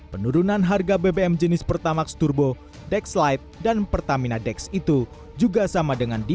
penurunan harga bbm jenis pertamax turbo dex light dan pertamina dex itu juga sama dengan di